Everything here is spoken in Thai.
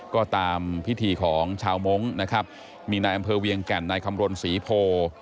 ก็ตามพิธีของชาวมงค์นะครับมีนายอำเภอเวียงแก่นนายคำรณศรีโพ